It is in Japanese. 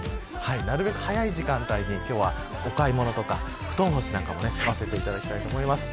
なるべく早い時間帯に今日はお買い物とか布団干しも済ませていただきたいと思います。